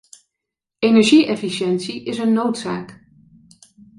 Energie-efficiëntie is een noodzaak.